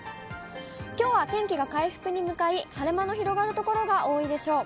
きょうは天気が回復に向かい、晴れ間の広がる所が多いでしょう。